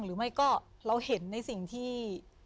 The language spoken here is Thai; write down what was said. หรือไม่ก็เราเห็นในสิ่งที่